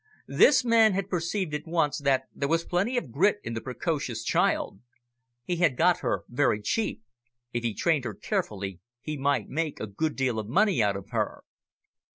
This man had perceived at once that there was plenty of grit in the precocious child. He had got her very cheap. If he trained her carefully he might make a good deal of money out of her.